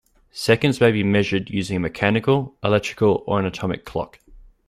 Seconds may be measured using a mechanical, electrical or an atomic clock.